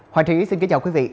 hoàng trị xin kính chào quý vị